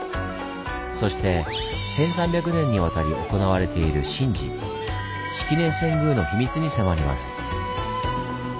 そして１３００年にわたり行われている神事「式年遷宮」の秘密に迫ります！